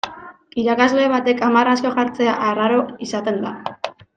Irakasle batek hamar asko jartzea arraro izaten da.